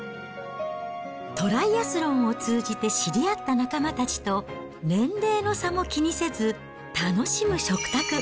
トライアスロンを通じて知り合った仲間たちと年齢の差も気にせず、楽しむ食卓。